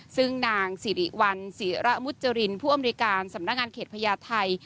ซึ่งนางสิริวัลศิระมุจรินผู้อำนวยการสำนักงานเขตพญาไทย